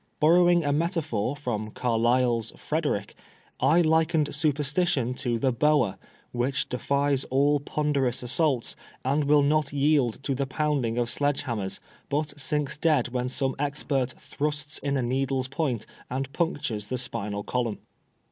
Borrowing a metaphor from Carlyle's " Frederick," I likened Superstition to the boa, which defies all pon derous assaults, and will not yield to the pounding of sledge hammers, but sinks dead when some expert thrusts in a needle's point and punctures the spinsd column.